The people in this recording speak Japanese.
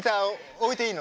置いていい。